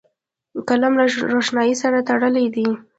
قلم له روښنايي سره تړلی دی